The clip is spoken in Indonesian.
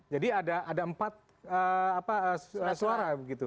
jadi ada empat suara